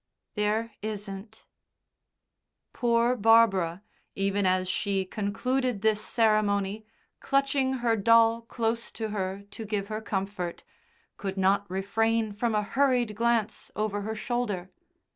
"There isn't." Poor Barbara, even as she concluded this ceremony, clutching her doll close to her to give her comfort, could not refrain from a hurried glance over her shoulder.